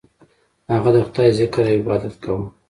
هغه د خدای ذکر او عبادت کاوه.